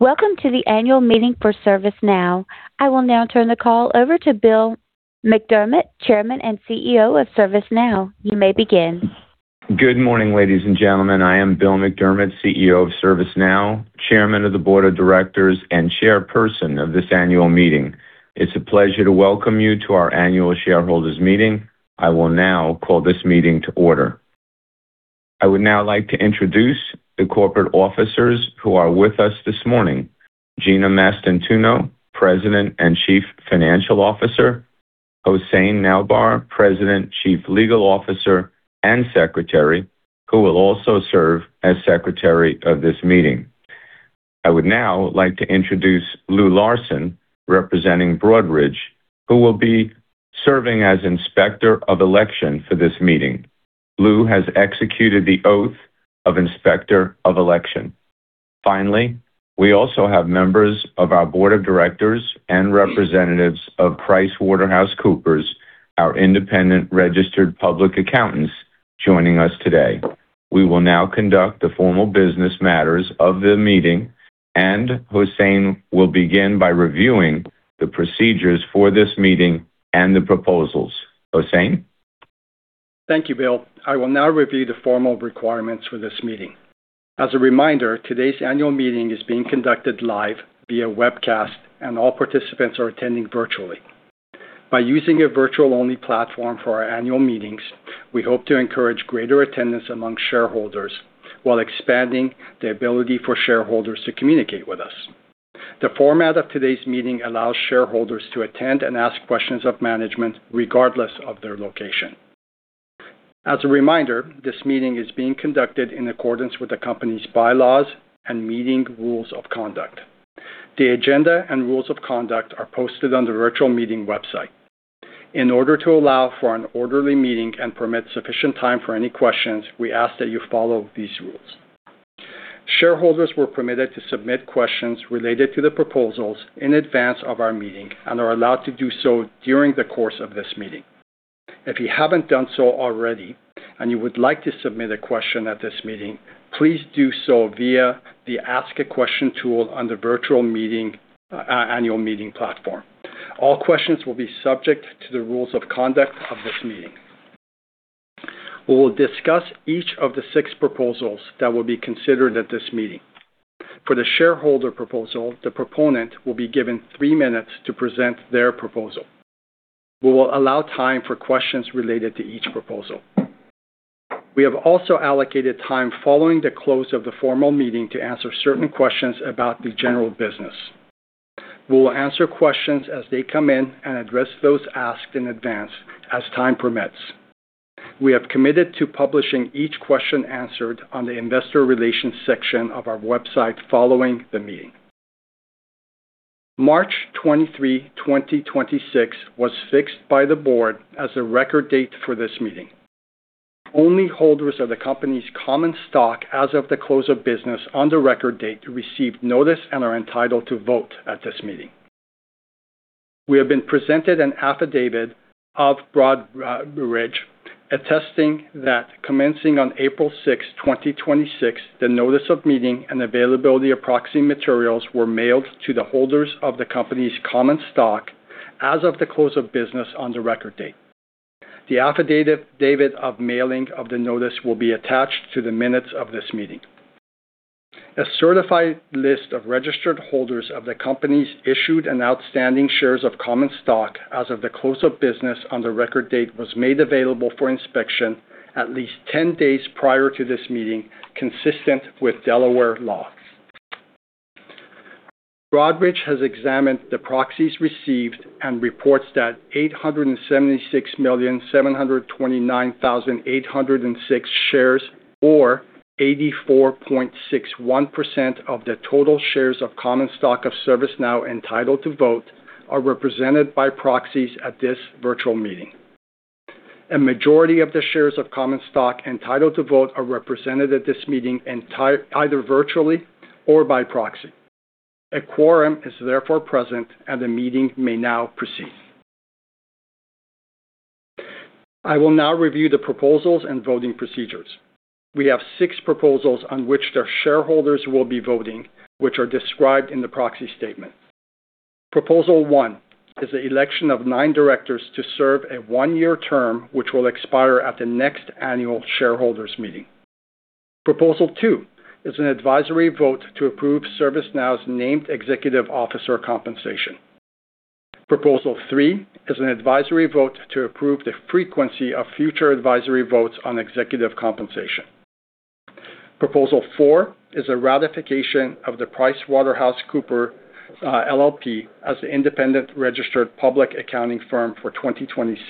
Welcome to the annual meeting for ServiceNow. I will now turn the call over to Bill McDermott, Chairman and CEO of ServiceNow. You may begin. Good morning, ladies and gentlemen. I am Bill McDermott, CEO of ServiceNow, Chairman of the Board of Directors, and chairperson of this annual meeting. It's a pleasure to welcome you to our annual shareholders' meeting. I will now call this meeting to order. I would now like to introduce the corporate officers who are with us this morning. Gina Mastantuono, President and Chief Financial Officer, Hossein Nowbar, President, Chief Legal Officer, and Secretary, who will also serve as secretary of this meeting. I would now like to introduce Louis Larson, representing Broadridge, who will be serving as Inspector of Election for this meeting. Lou has executed the oath of Inspector of Election. Finally, we also have members of our Board of Directors and representatives of PricewaterhouseCoopers, our independent registered public accountants, joining us today. We will now conduct the formal business matters of the meeting, and Hossein will begin by reviewing the procedures for this meeting and the proposals. Hossein? Thank you, Bill. I will now review the formal requirements for this meeting. As a reminder, today's annual meeting is being conducted live via webcast, and all participants are attending virtually. By using a virtual-only platform for our annual meetings, we hope to encourage greater attendance among shareholders while expanding the ability for shareholders to communicate with us. The format of today's meeting allows shareholders to attend and ask questions of management regardless of their location. As a reminder, this meeting is being conducted in accordance with the company's bylaws and meeting rules of conduct. The agenda and rules of conduct are posted on the virtual meeting website. In order to allow for an orderly meeting and permit sufficient time for any questions, we ask that you follow these rules. Shareholders were permitted to submit questions related to the proposals in advance of our meeting and are allowed to do so during the course of this meeting. If you haven't done so already, and you would like to submit a question at this meeting, please do so via the Ask a Question tool on the virtual annual meeting platform. All questions will be subject to the rules of conduct of this meeting. We will discuss each of the six proposals that will be considered at this meeting. For the shareholder proposal, the proponent will be given three minutes to present their proposal. We will allow time for questions related to each proposal. We have also allocated time following the close of the formal meeting to answer certain questions about the general business. We will answer questions as they come in and address those asked in advance as time permits. We have committed to publishing each question answered on the investor relations section of our website following the meeting. March 23, 2026, was fixed by the Board as the record date for this meeting. Only holders of the company's common stock as of the close of business on the record date received notice and are entitled to vote at this meeting. We have been presented an affidavit of Broadridge attesting that commencing on April 6, 2026, the notice of meeting and availability of proxy materials were mailed to the holders of the company's common stock as of the close of business on the record date. The affidavit of mailing of the notice will be attached to the minutes of this meeting. A certified list of registered holders of the company's issued and outstanding shares of common stock as of the close of business on the record date was made available for inspection at least 10 days prior to this meeting, consistent with Delaware law. Broadridge has examined the proxies received and reports that 876,729,806 shares, or 84.61% of the total shares of common stock of ServiceNow entitled to vote are represented by proxies at this virtual meeting. A majority of the shares of common stock entitled to vote are represented at this meeting, either virtually or by proxy. A quorum is therefore present, and the meeting may now proceed. I will now review the proposals and voting procedures. We have 6 proposals on which the shareholders will be voting, which are described in the proxy statement. Proposal 1 is the election of nine directors to serve a one-year term, which will expire at the next annual shareholders meeting. Proposal 2 is an advisory vote to approve ServiceNow's named executive officer compensation. Proposal 3 is an advisory vote to approve the frequency of future advisory votes on executive compensation. Proposal 4 is a ratification of the PricewaterhouseCoopers LLP as the independent registered public accounting firm for 2026.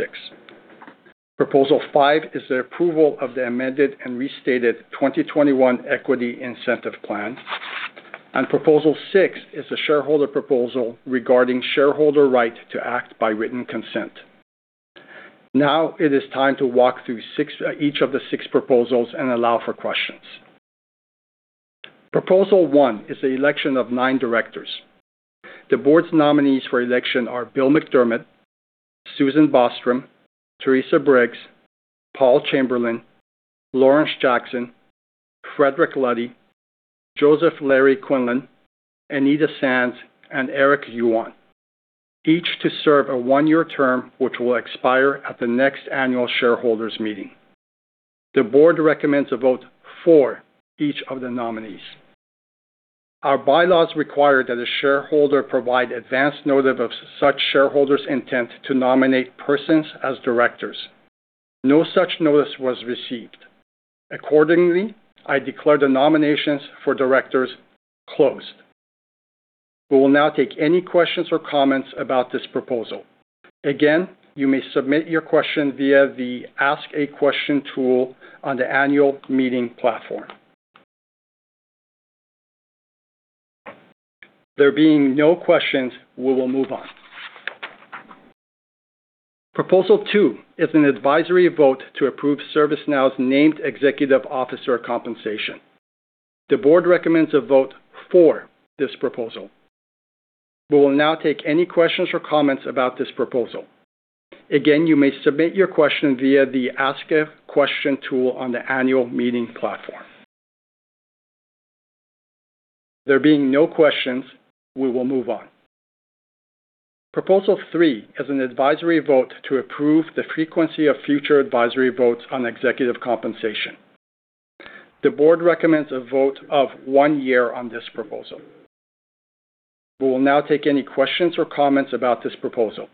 Proposal 5 is the approval of the amended and restated 2021 Equity Incentive Plan. Proposal 6 is a shareholder proposal regarding shareholder right to act by written consent. Now it is time to walk through each of the six proposals and allow for questions. Proposal 1 is the election of nine directors. The board's nominees for election are Bill McDermott, Susan Bostrom, Teresa Briggs, Paul Chamberlain, Lawrence Jackson, Frederic B. Luddy, Larry Quinlan, Anita Sands, and Eric Yuan, each to serve a one-year term which will expire at the next annual shareholders' meeting. The board recommends a vote for each of the nominees. Our bylaws require that a shareholder provide advance notice of such shareholder's intent to nominate persons as directors. No such notice was received. Accordingly, I declare the nominations for directors closed. We will now take any questions or comments about this proposal. Again, you may submit your question via the Ask a Question tool on the annual meeting platform. There being no questions, we will move on. Proposal 2 is an advisory vote to approve ServiceNow's named executive officer compensation. The board recommends a vote for this proposal. We will now take any questions or comments about this proposal. Again, you may submit your question via the Ask a Question tool on the annual meeting platform. There being no questions, we will move on. Proposal 3 is an advisory vote to approve the frequency of future advisory votes on executive compensation. The Board recommends a vote of one year on this proposal. We will now take any questions or comments about this proposal.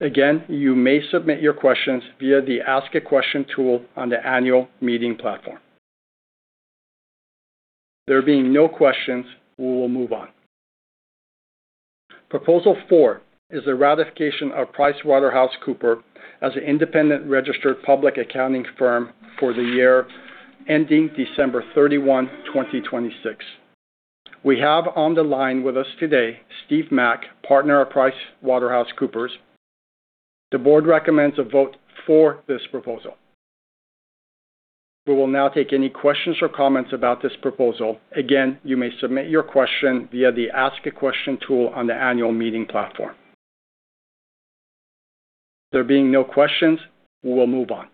Again, you may submit your questions via the Ask a Question tool on the annual meeting platform. There being no questions, we will move on. Proposal 4 is a ratification of PricewaterhouseCoopers as an independent registered public accounting firm for the year ending December 31, 2026. We have on the line with us today Steve Mack, partner of PricewaterhouseCoopers. The Board recommends a vote for this proposal. We will now take any questions or comments about this proposal. Again, you may submit your question via the Ask a Question tool on the annual meeting platform. There being no questions, we will move on.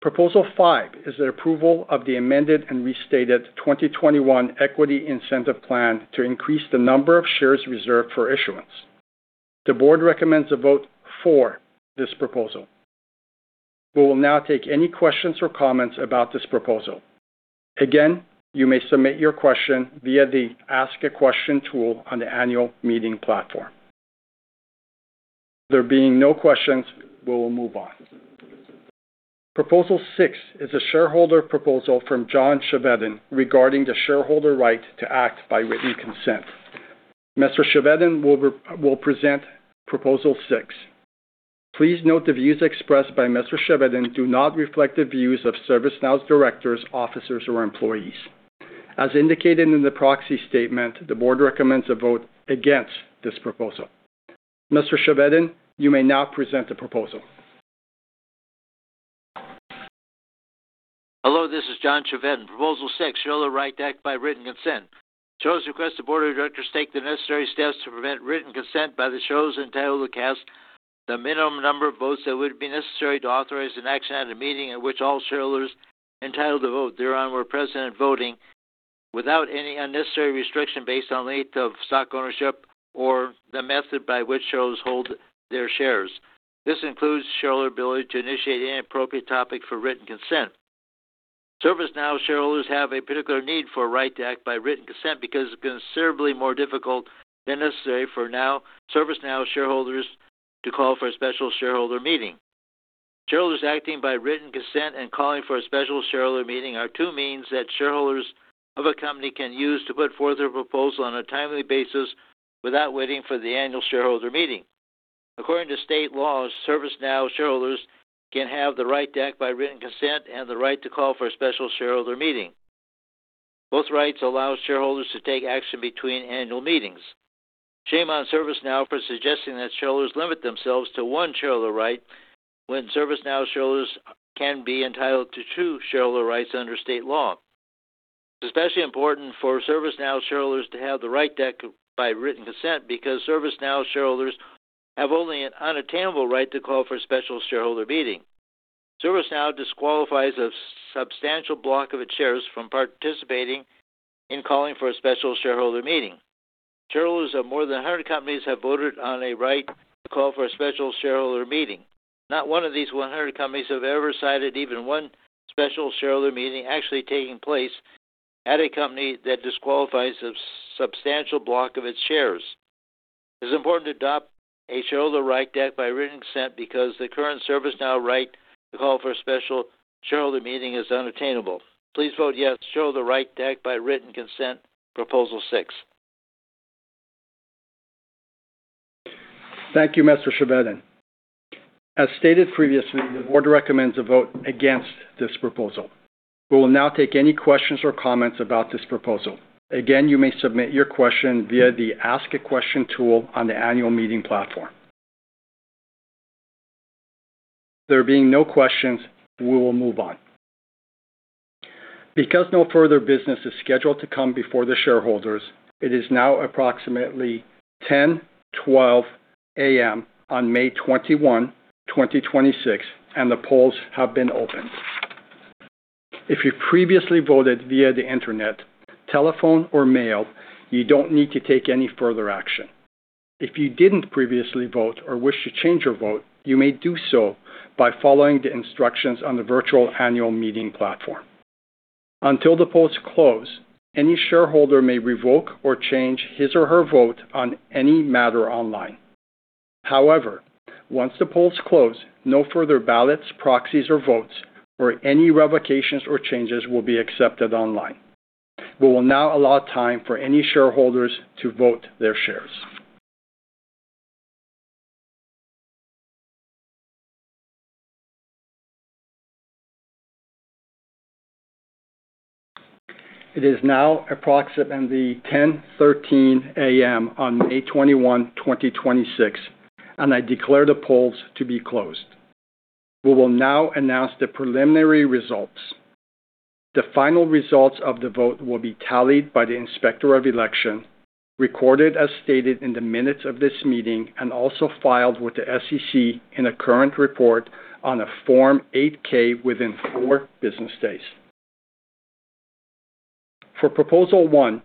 Proposal 5 is the approval of the amended and restated 2021 Equity Incentive Plan to increase the number of shares reserved for issuance. The board recommends a vote for this proposal. We will now take any questions or comments about this proposal. Again, you may submit your question via the Ask a Question tool on the annual meeting platform. There being no questions, we will move on. Proposal 6 is a shareholder proposal from John Chevedden regarding the shareholder right to act by written consent. Mr. Chevedden will present Proposal 6. Please note the views expressed by Mr. Chevedden do not reflect the views of ServiceNow's directors, officers, or employees. As indicated in the proxy statement, the board recommends a vote against this proposal. Mr. Chevedden, you may now present the proposal. Hello, this is John Chevedden. Proposal 6, shareholder right to act by written consent. Shareholders request the board of directors take the necessary steps to prevent written consent by the shares entitled to cast the minimum number of votes that would be necessary to authorize an action at a meeting at which all shareholders entitled to vote thereon were present and voting without any unnecessary restriction based on length of stock ownership or the method by which shareholders hold their shares. This includes shareholder ability to initiate any appropriate topic for written consent. ServiceNow shareholders have a particular need for a right to act by written consent because it's considerably more difficult than necessary for ServiceNow shareholders to call for a special shareholder meeting. Shareholders acting by written consent and calling for a special shareholder meeting are two means that shareholders of a company can use to put forth a proposal on a timely basis without waiting for the annual shareholder meeting. According to state laws, ServiceNow shareholders can have the right to act by written consent and the right to call for a special shareholder meeting. Both rights allow shareholders to take action between annual meetings. Shame on ServiceNow for suggesting that shareholders limit themselves to one shareholder right when ServiceNow shareholders can be entitled to two shareholder rights under state law. It's especially important for ServiceNow shareholders to have the right to act by written consent because ServiceNow shareholders have only an unattainable right to call for a special shareholder meeting. ServiceNow disqualifies a substantial block of its shares from participating in calling for a special shareholder meeting. Shareholders of more than 100 companies have voted on a right to call for a special shareholder meeting. Not one of these 100 companies have ever cited even one special shareholder meeting actually taking place at a company that disqualifies a substantial block of its shares. It is important to adopt a shareholder right to act by written consent because the current ServiceNow right to call for a special shareholder meeting is unattainable. Please vote yes, shareholder right to act by written consent, Proposal 6. Thank you, Mr. Chevedden. As stated previously, the board recommends a vote against this proposal. We will now take any questions or comments about this proposal. Again, you may submit your question via the Ask a Question tool on the annual meeting platform. There being no questions, we will move on. Because no further business is scheduled to come before the shareholders, it is now approximately 10:12 A.M. on May 21, 2026, and the polls have been opened. If you previously voted via the internet, telephone or mail, you don't need to take any further action. If you didn't previously vote or wish to change your vote, you may do so by following the instructions on the virtual annual meeting platform. Until the polls close, any shareholder may revoke or change his or her vote on any matter online. However, once the polls close, no further ballots, proxies, or votes, or any revocations or changes will be accepted online. We will now allow time for any shareholders to vote their shares. It is now approximately 10:13 A.M. on May 21, 2026, and I declare the polls to be closed. We will now announce the preliminary results. The final results of the vote will be tallied by the Inspector of Election, recorded as stated in the minutes of this meeting, and also filed with the SEC in a current report on a Form 8-K within four business days. For Proposal 1,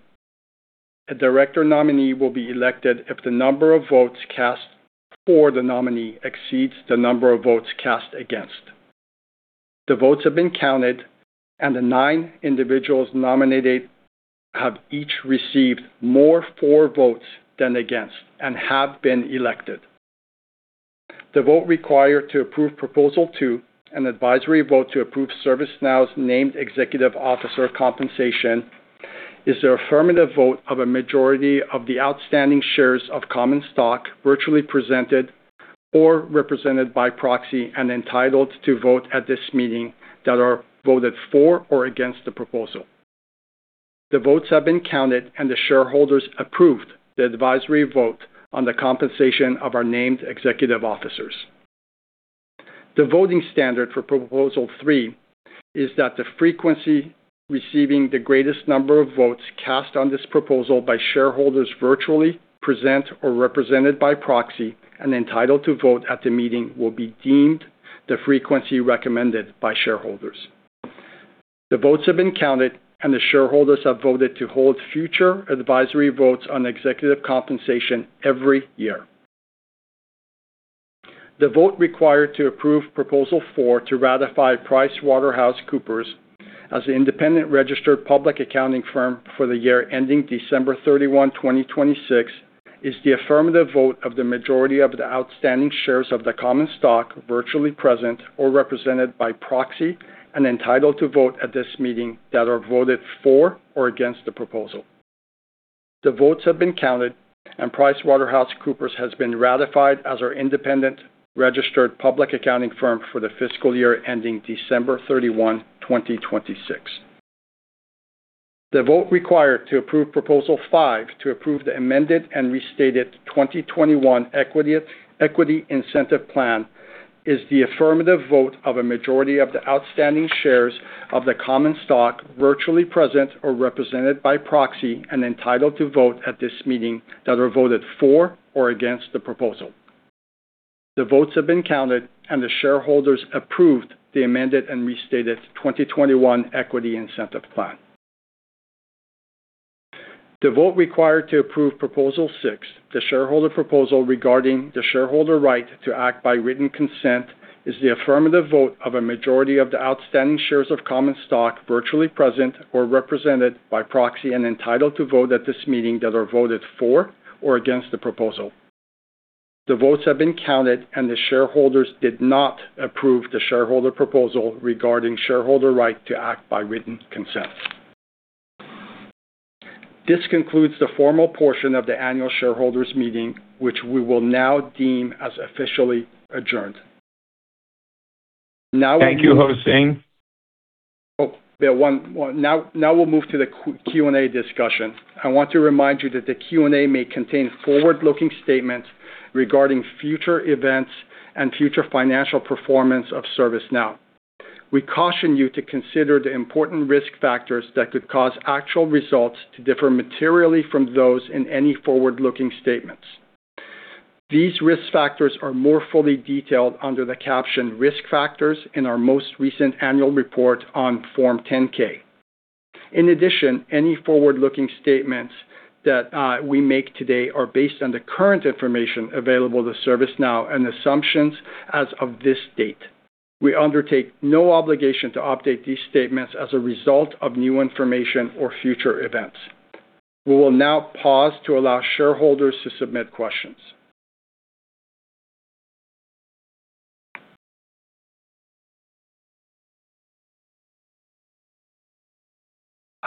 a director nominee will be elected if the number of votes cast for the nominee exceeds the number of votes cast against. The votes have been counted, and the nine individuals nominated have each received more for votes than against and have been elected. The vote required to approve Proposal 2, an advisory vote to approve ServiceNow's named executive officer compensation, is the affirmative vote of a majority of the outstanding shares of common stock virtually presented or represented by proxy and entitled to vote at this meeting that are voted for or against the proposal. The votes have been counted, and the shareholders approved the advisory vote on the compensation of our named executive officers. The voting standard for Proposal 3 is that the frequency receiving the greatest number of votes cast on this proposal by shareholders virtually present or represented by proxy and entitled to vote at the meeting will be deemed the frequency recommended by shareholders. The votes have been counted, and the shareholders have voted to hold future advisory votes on executive compensation every year. The vote required to approve Proposal 4, to ratify PricewaterhouseCoopers as the independent registered public accounting firm for the year ending December 31, 2026, is the affirmative vote of the majority of the outstanding shares of the common stock virtually present or represented by proxy and entitled to vote at this meeting that are voted for or against the proposal. The votes have been counted, and PricewaterhouseCoopers has been ratified as our independent registered public accounting firm for the fiscal year ending December 31, 2026. The vote required to approve Proposal 5, to approve the amended and restated 2021 Equity Incentive Plan, is the affirmative vote of a majority of the outstanding shares of the common stock virtually present or represented by proxy and entitled to vote at this meeting that are voted for or against the proposal. The votes have been counted, and the shareholders approved the amended and restated 2021 Equity Incentive Plan. The vote required to approve Proposal 6, the shareholder proposal regarding the shareholder right to act by written consent, is the affirmative vote of a majority of the outstanding shares of common stock virtually present or represented by proxy and entitled to vote at this meeting that are voted for or against the proposal. The votes have been counted, and the shareholders did not approve the shareholder proposal regarding shareholder right to act by written consent. This concludes the formal portion of the annual shareholders meeting, which we will now deem as officially adjourned, Thank you, Hossein. Bill, one more. We'll move to the Q&A discussion. I want to remind you that the Q&A may contain forward-looking statements regarding future events and future financial performance of ServiceNow. We caution you to consider the important risk factors that could cause actual results to differ materially from those in any forward-looking statements. These risk factors are more fully detailed under the caption Risk Factors in our most recent annual report on Form 10-K. Any forward-looking statements that we make today are based on the current information available to ServiceNow and assumptions as of this date. We undertake no obligation to update these statements as a result of new information or future events. We will now pause to allow shareholders to submit questions.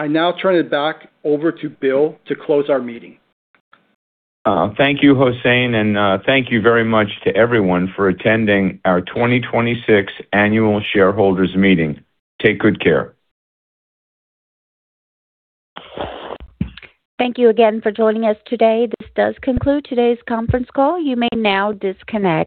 I now turn it back over to Bill to close our meeting. Thank you, Hossein, and thank you very much to everyone for attending our 2026 annual shareholders meeting. Take good care. Thank you again for joining us today. This does conclude today's conference call. You may now disconnect.